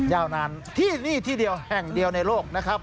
ยาวนานที่นี่ที่เดียวแห่งเดียวในโลกนะครับ